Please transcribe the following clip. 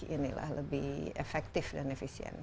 ini lah lebih efektif dan efisien